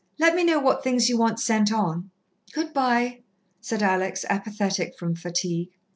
Let me know what things you want sent on." "Good bye," said Alex, apathetic from fatigue.